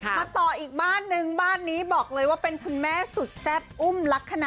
มาต่ออีกบ้านนึงบ้านนี้บอกเลยว่าเป็นคุณแม่สุดแซ่บอุ้มลักษณะ